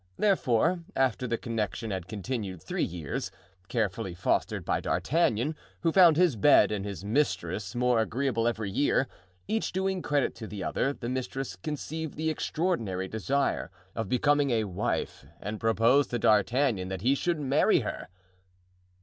Therefore, after the connection had continued three years, carefully fostered by D'Artagnan, who found his bed and his mistress more agreeable every year, each doing credit to the other, the mistress conceived the extraordinary desire of becoming a wife and proposed to D'Artagnan that he should marry her.